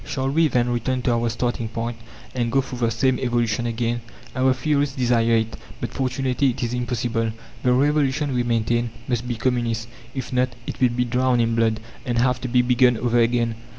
Shall we, then, return to our starting point, and go through the same evolution again? Our theorists desire it, but fortunately it is impossible. The Revolution, we maintain, must be communist; if not, it will be drowned in blood, and have to be begun over again.